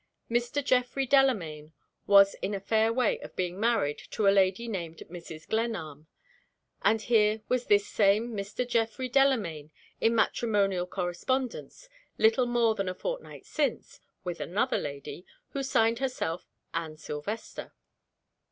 Mr. Geoffrey Delamayn was in a fair way of being married to a lady named Mrs. Glenarm. And here was this same Mr. Geoffrey Delamayn in matrimonial correspondence, little more than a fortnight since, with another lady who signed herself "Anne Silvester."